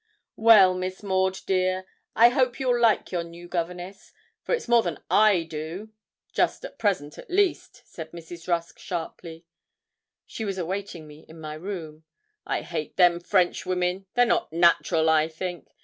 'Well, Miss Maud, dear, I hope you'll like your new governess for it's more than I do, just at present at least,' said Mrs. Rusk, sharply she was awaiting me in my room. 'I hate them French women; they're not natural, I think.